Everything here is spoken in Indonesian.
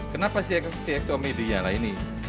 kenapa cxo media lah ini